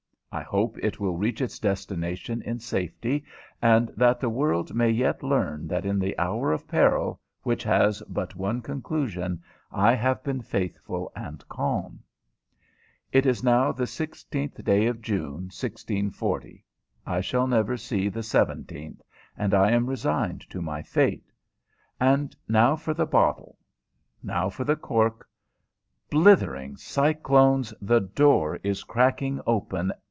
I hope it will reach its destination in safety, and that the world may yet learn that in the hour of peril, which has but one conclusion, I have been faithful and calm. It is now the 16th day of June, 1640. I shall never see the 17th, and I am resigned to my fate. And now for the bottle ... now for the cork.... Blithering cyclones! the door is cracking open